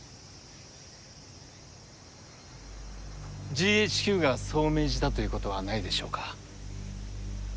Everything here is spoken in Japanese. ＧＨＱがそう命じたということはないでしょうか。